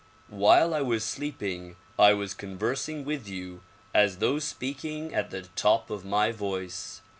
While I was sleeping I was conversing with you as though speaking at the top of my voice.